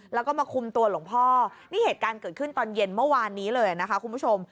แล้วก็มาคุมตัวหลวงพ่อนี่เหตุการณ์เกิดขึ้นตอนเย็นเมื่อวานนี้เลยนะคะคุณผู้ชม